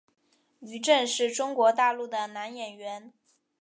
于震是中国大陆的男演员。